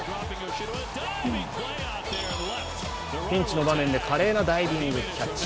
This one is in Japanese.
ピンチの場面で華麗なダイビングキャッチ。